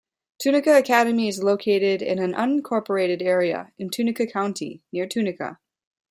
Tunica Academy is located in an unincorporated area in Tunica County, near Tunica.